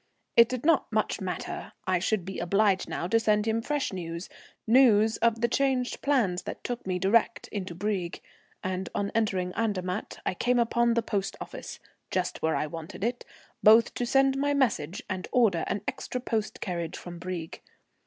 It did not much matter. I should be obliged now to send him fresh news, news of the changed plans that took me direct into Brieg; and on entering Andermatt I came upon the post office, just where I wanted it, both to send my message and order an extra post carriage from Brieg.